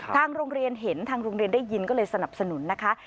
ทางโรงเรียนเห็นทางโรงเรียนได้ยินก็เลยสนับสนุนนะคะ